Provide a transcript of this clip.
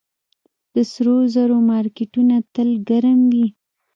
د سرو زرو مارکیټونه تل ګرم وي